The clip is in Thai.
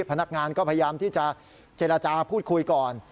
พนักงานก็พยายามที่จะเจรจาพูดคุยก่อน